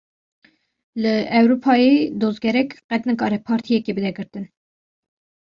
Li Ewropayê dozgerek, qet nikare partiyekê bide girtin